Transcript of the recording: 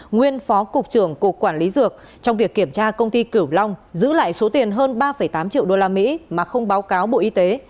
nguyên phó cục trưởng cục quản lý dược trong việc kiểm tra công ty cửu long giữ lại số tiền hơn ba tám triệu đô la mỹ mà không báo cáo bộ y tế